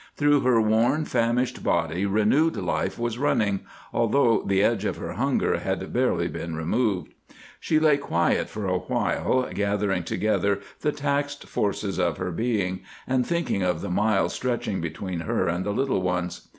Through her worn, famished body renewed life was running, although the edge of her hunger had barely been removed. She lay quiet for a while, gathering together the taxed forces of her being, and thinking of the miles stretching between her and the little ones.